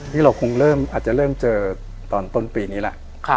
นี่เราคงเริ่มอาจจะเริ่มเจอตอนต้นปีนี้แหละ